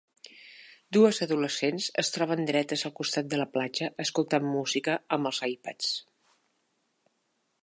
Dues adolescents es troben dretes al costat de la platja escoltant música amb els iPods.